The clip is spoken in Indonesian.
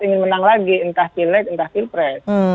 dua ribu dua puluh empat ingin menang lagi entah pil eg entah pil pres